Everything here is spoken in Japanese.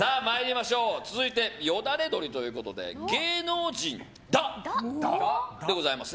続いてよだれどりということで芸能人ダッ、でございます。